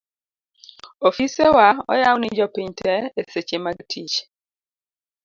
ofisewa oyaw ni jopiny te eseche mag tich